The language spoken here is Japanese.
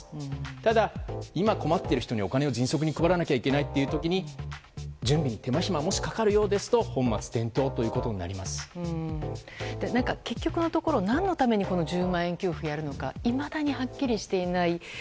ただ、今困っている人にお金を迅速に配らなきゃいけないという時に準備に手間暇がもしかかるようですと結局のところ、何のためにこの１０万円給付をやるのかいまだにはっきりしていない。